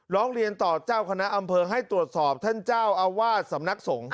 ร้องเรียนต่อเจ้าคณะอำเภอให้ตรวจสอบท่านเจ้าอาวาสสำนักสงฆ์